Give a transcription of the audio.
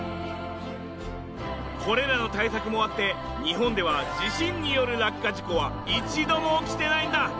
これらの対策もあって日本では地震による落下事故は一度も起きてないんだ！